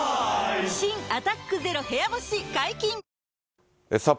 新「アタックＺＥＲＯ部屋干し」解禁‼